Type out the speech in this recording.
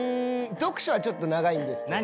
読書はちょっと長いんですけど。